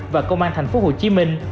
và công an thành phố hồ chí minh